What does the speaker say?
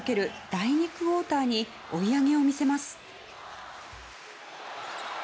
第２クオーターに追い上げを見せます。